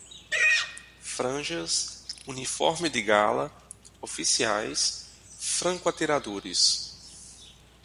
Franjas, uniforme de gala, oficiais, franco-atiradores